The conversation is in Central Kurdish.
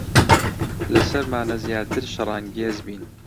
لەسەرمانە زیاتر شەڕانگێز بین.